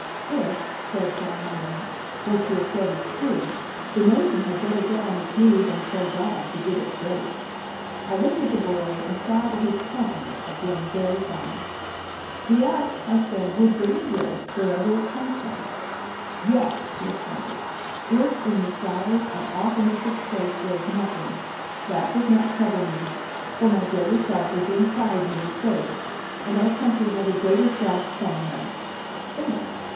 "If," said John Mayrant, "what you have said is true, the nation had better get on its knees and pray God to give it grace." I looked at the boy and saw that his countenance had grown very fine. "The act," I said, "would bring grace, wherever it comes from." "Yes," he assented. "If in the stars and awfulness of space there's nothing, that does not trouble me; for my greater self is inside me, safe. And our country has a greater self somewhere. Think!"